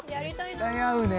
絶対合うね